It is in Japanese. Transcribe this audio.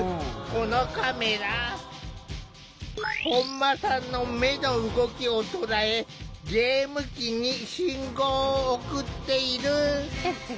本間さんの目の動きを捉えゲーム機に信号を送っている。